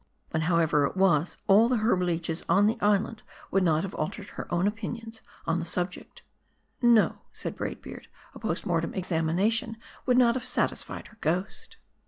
But however it was, all the herb leeches on the island would not have altered her own opinions on the subject." "No," said Braid Beard; " a post mortem examination would not have satisfied her ghost."